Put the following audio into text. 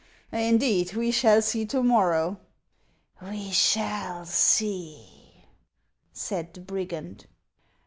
" Indeed, we shall see to rnorrow.'' " We shall see," said the brigand.